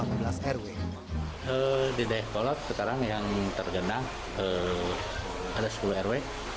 di dayakolot sekarang yang tergenang ada sepuluh rw